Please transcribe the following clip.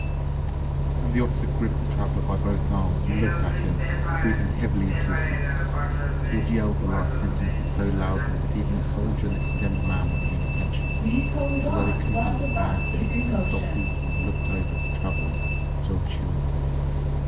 And the officer gripped the traveler by both arms and looked at him, breathing heavily into his face. He had yelled the last sentences so loudly that even the Soldier and the Condemned Man were paying attention. Although they couldn't understand a thing, they stopped eating and looked over at the Traveler, still chewing.